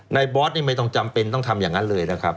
บอสนี่ไม่ต้องจำเป็นต้องทำอย่างนั้นเลยนะครับ